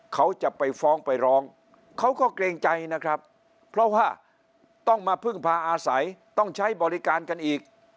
เขาจะไปฟ้องไปร้องเขาก็เกรงใจนะครับเพราะว่าต้องมาพึ่งพาอาศัยต้องใช้บริการกันอีก